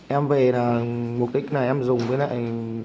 em về là mục đích này em dùng với lại